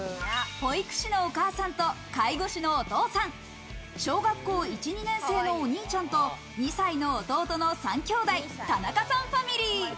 保育士のお母さんと介護士のお父さん、小学校１・２年生のお兄ちゃんと、２歳の弟の３兄弟、田中さんファミリー。